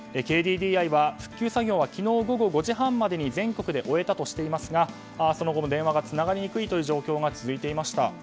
ＫＤＤＩは復旧作業は昨日午後５時半までに全国で終えたとしていますがその後も電話がつながりにくいという状況が続いていました。